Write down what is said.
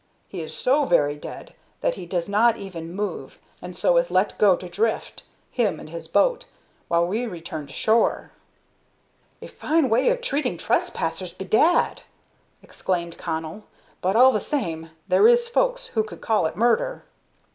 He is so very dead that he does not even move, and so is let go to drift, him and his boat, while we return to shore." "A fine way of treating trespassers, bedad!" exclaimed Connell; "but all the same, there is folks who would call it murder."